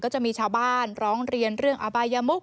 จะมีชาวบ้านร้องเรียนเรื่องอบายมุก